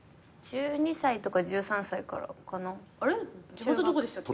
地元どこでしたっけ。